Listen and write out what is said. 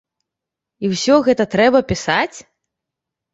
І ўсё гэта трэба пісаць?